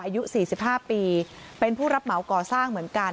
อายุ๔๕ปีเป็นผู้รับเหมาก่อสร้างเหมือนกัน